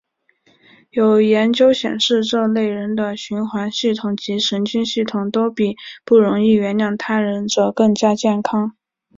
有研究显示这类人的循环系统及神经系统都比不容易原谅他人者更加健康。